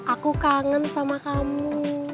aku kangen sama kamu